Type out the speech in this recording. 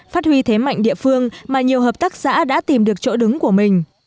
phát huy thế mạnh địa phương mà nhiều hợp tác xã đã tìm được chỗ đứng của mình